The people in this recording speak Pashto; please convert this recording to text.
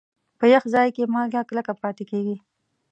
په یخ ځای کې مالګه کلکه پاتې کېږي.